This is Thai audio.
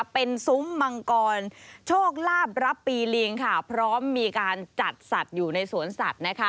เป็นซุ้มมังกรโชคลาภรับปีลิงค่ะพร้อมมีการจัดสัตว์อยู่ในสวนสัตว์นะคะ